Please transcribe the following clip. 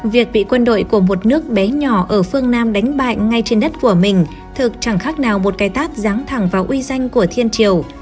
việc bị quân đội của một nước bé nhỏ ở phương nam đánh bại ngay trên đất của mình thực chẳng khác nào một cái tát dáng thẳng vào uy danh của thiên triều